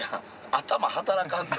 頭働かんって。